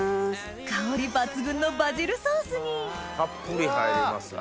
香り抜群のバジルソースにたっぷり入りますね。